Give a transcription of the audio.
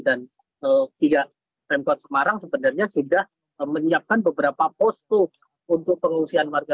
dan pihak pmkot semarang sebenarnya sudah menyiapkan beberapa postur untuk pengungsian warga